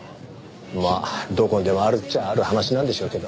まあどこにでもあるっちゃある話なんでしょうけど。